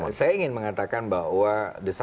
ya saya ingin mengatakan bahwa desakan berikutnya